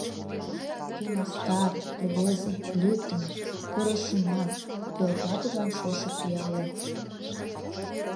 Кӧ мастар, рвезе, лӱддымӧ, поро шӱман, Пӧлекла тудлан шошо пиалым.